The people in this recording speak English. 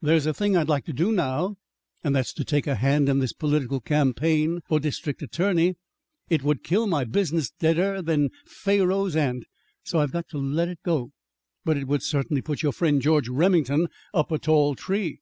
There's a thing I'd like to do now, and that's to take a hand in this political campaign for district attorney. It would kill my business deader than Pharaoh's aunt, so I've got to let it go. But it would certainly put your friend George Remington up a tall tree."